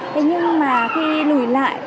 thế nhưng mà khi lùi lại